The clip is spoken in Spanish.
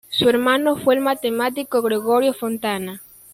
Su hermano fue el matemático Gregorio Fontana.